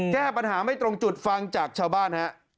แก้ปัญหาไม่ตรงจุดฟังจากชาวบ้านฮะ